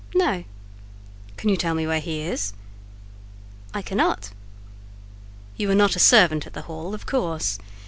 "No." "Can you tell me where he is?" "I cannot." "You are not a servant at the hall, of course.